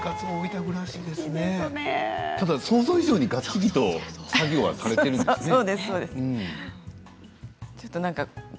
ただ想像以上にがっつりと作業されているんですね。